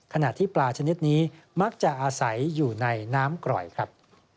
ขณะที่ปลาชนิดนี้มักจะอาศัยอยู่ในน้ำกร่อยครับ